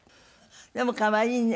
でも可愛いね。